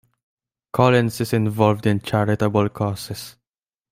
Collins is involved in charitable causes.